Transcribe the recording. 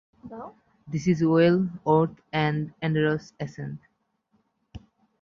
This is well worth the arduous ascent.